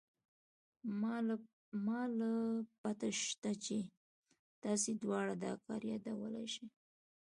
ما له پته شتې چې تاسې دواړه دا کار يادولې شې.